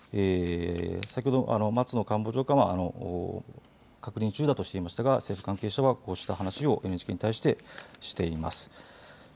先ほど松野官房長官は確認中だとしていましたが政府関係者はこうした話をＮＨＫに対して、しています。